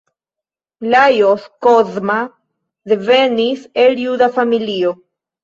Lajos Kozma devenis el juda familio.